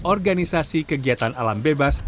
organisasi kegiatan alam bebas